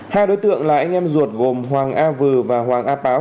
hai đối tượng là anh em ruột gồm hoàng a vừa và hoàng a báo